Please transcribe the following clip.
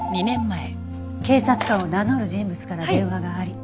警察官を名乗る人物から電話があり。